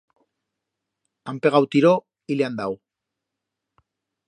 Han pegau tiro y le han dau.